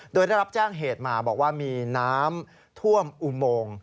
โดยได้รับแจ้งเหตุมาบอกว่ามีน้ำท่วมอุโมง